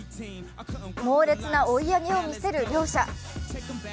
猛烈な追い上げを見せる両者。